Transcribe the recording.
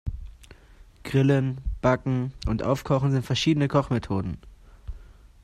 Grillen, Backen und Aufkochen sind verschiedene Kochmethoden.